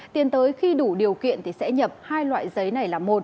tiến tới khi đủ điều kiện thì sẽ nhập hai loại giấy này là một